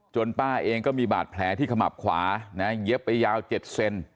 ป้าเองก็มีบาดแผลที่ขมับขวานะเย็บไปยาว๗เซน